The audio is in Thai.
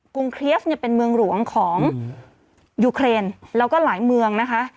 รุงเคลียสเนี่ยเป็นเมืองหลวงของยูเครนแล้วก็หลายเมืองนะคะ